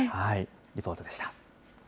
リポートでした。